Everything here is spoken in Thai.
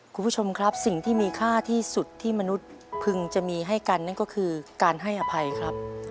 คุณผู้ชมครับสิ่งที่มีค่าที่สุดที่มนุษย์พึงจะมีให้กันนั่นก็คือการให้อภัยครับ